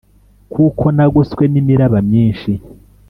Kuko nagoswe n imiraba myinshi